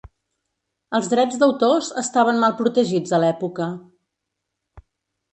Els drets d'autors estaven mal protegits a l'època.